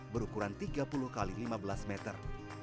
berukuran tiga puluh x lima belas meter